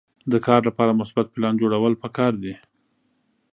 د کار لپاره مثبت پلان جوړول پکار دي.